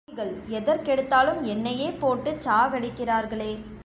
பாவிகள் எதற்கெடுத்தாலும் என்னையே போட்டுச் சாகடிக்கிறார்களே!